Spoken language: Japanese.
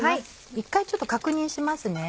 一回ちょっと確認しますね。